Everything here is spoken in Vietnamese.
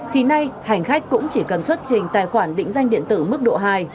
thì nay hành khách cũng chỉ cần xuất trình tài khoản định danh điện tử mức độ hai